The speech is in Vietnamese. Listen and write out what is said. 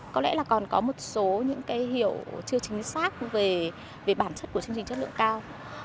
có lẽ là còn có một số những cái hiệu chưa chính xác về bản chất của chương trình chất lượng cao